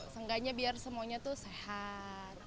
seenggaknya biar semuanya sehat